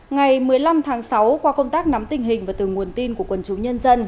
ngày một mươi năm tháng sáu qua công tác nắm tình hình và từ nguồn tin của quần chúng nhân dân